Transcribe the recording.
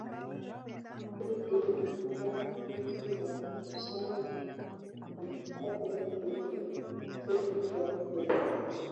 benki inafanya kazi ya kukusanya mapato ya msingi ya serikali